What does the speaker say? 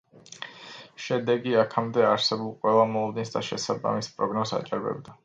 შედეგი აქამდე არსებულ ყველა მოლოდინს და შესაბამის პროგნოზს აჭარბებდა.